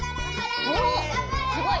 おすごい。